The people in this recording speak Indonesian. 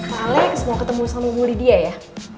pak alex mau ketemu sama bu lidia ya